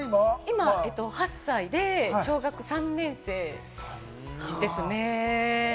今、８歳で小学３年生ですね。